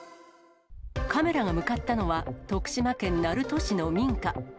カメラが向かったのは、徳島県鳴門市の民家。